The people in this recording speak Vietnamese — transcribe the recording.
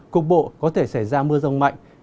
cục bộ có thể xảy ra mưa rào trong ba ngày tới